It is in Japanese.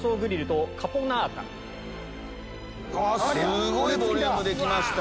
すごいボリュームで来ました。